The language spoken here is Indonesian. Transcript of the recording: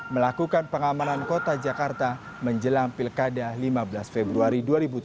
melakukan pengamanan kota jakarta menjelang pilkada lima belas februari dua ribu tujuh belas